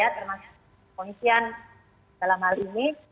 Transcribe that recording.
termasuk polisian dalam hal ini